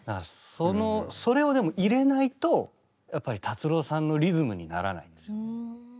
それをでも入れないとやっぱり達郎さんのリズムにならないんですよね。